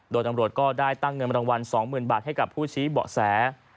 โดยตำรวจก็ได้ตั้งเงินรางวัล๒๐๐๐บาทให้กับผู้ชี้เบาะแส